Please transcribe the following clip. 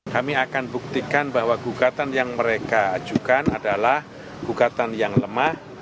kami akan buktikan bahwa gugatan yang mereka ajukan adalah gugatan yang lemah